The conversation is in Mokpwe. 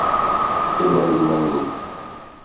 Èmàŋɡìmàŋɡì.